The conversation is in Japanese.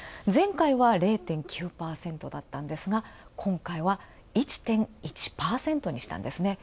前回は０．９％だったんですが、今回は、１．１％に。